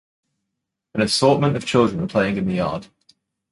An assortment of children are playing in the yard.